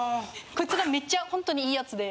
こいつらめっちゃホントにいいやつで。